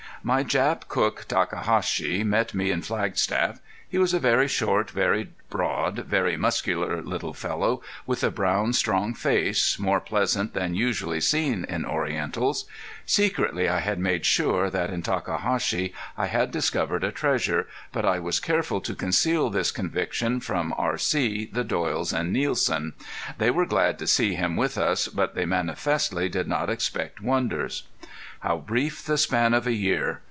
My Jap cook Takahashi met me in Flagstaff. He was a very short, very broad, very muscular little fellow with a brown, strong face, more pleasant than usually seen in Orientals. Secretly I had made sure that in Takahashi I had discovered a treasure, but I was careful to conceal this conviction from R.C., the Doyles, and Nielsen. They were glad to see him with us, but they manifestly did not expect wonders. How brief the span of a year!